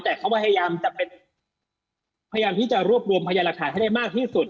แต่เขาพยายามจะไปพยายามที่จะรวบรวมพยาหลักฐานให้ได้มากที่สุด